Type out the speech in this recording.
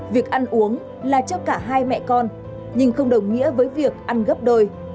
việc ăn uống là cho cả hai mẹ con nhưng không đồng nghĩa với việc ăn gấp đôi